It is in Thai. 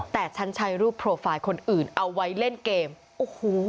แต่ฉันใช้รูปโปรไฟล์คนอื่นเอาไว้เล่นเกมโอ้โห